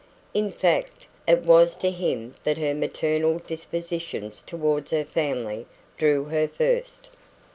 In fact, it was to him that her maternal dispositions towards her family drew her first.